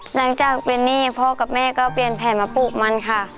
หลังจากเป็นหนี้พ่อกับแม่ก็เปลี่ยนแผนมาปลูกมันค่ะ